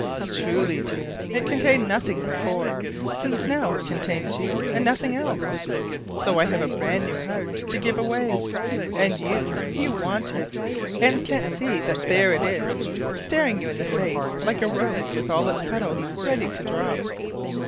Truly, dear, it contained nothing before, since now it contains you and nothing else. So I have a brand new heart to give away: and you, you want it and can't see that there it is staring you in the face like a rose with all its petals ready to drop.